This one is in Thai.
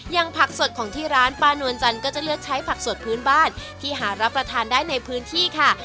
อย่างผักสดของที่ร้านป้านวลจันทร์ก็จะเลือกใช้ผักสดพื้นบ้านที่หารับประทานได้ในพื้นที่ค่ะ